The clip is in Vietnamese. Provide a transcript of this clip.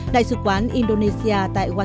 tổ chức quốc gia việt nam